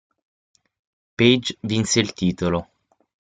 Page vinse il titolo.